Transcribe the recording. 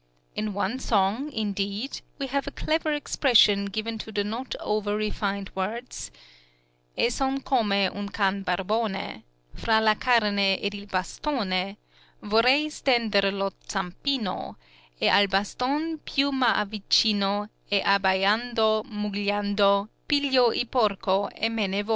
In one song, indeed, we have a clever expression given to the not over refined words: E son come un can barbone, Frà la carne ed il bastone, Vorrei stender lo zampino E al baston più m' avvicino E abbaiando, mugilando Piglio il porco e me ne vö.